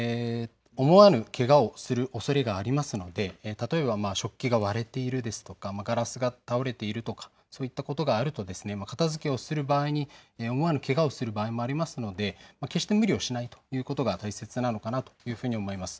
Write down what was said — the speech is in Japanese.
思わぬけがをするおそれがありますので例えば食器が割れているですとかガラスが割れてているとかそういったことがあると片づけをする場合に思わぬけがをすることもありますので決して無理をしないということが大切なのかと思います。